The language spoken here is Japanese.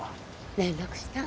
連絡した。